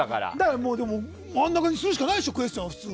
もう、でも真ん中にするしかないでしょクエスチョンは。